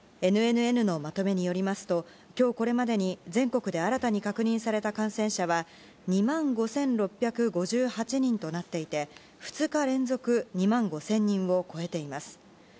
ＮＮＮのまとめによりますと今日これまでに全国で新たに確認された感染者は２万５６５８人となっていて２日連続２万５０００人を超えています。